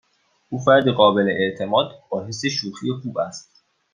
او فردی قابل اعتماد با حس شوخی خوب است.